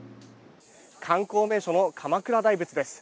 観光名所の鎌倉大仏です。